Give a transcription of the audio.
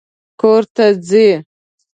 کور ته ځي